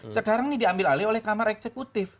sekarang ini diambil alih oleh kamar eksekutif